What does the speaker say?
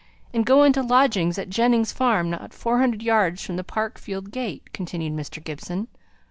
"And go into lodgings at Jennings' farm; not four hundred yards from the Park field gate," continued Mr. Gibson.